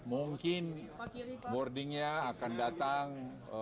mungkin wordingnya akan datang